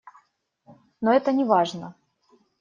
Но это не важно.